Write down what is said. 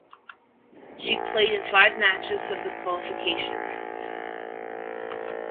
She played in five matches of the qualification round.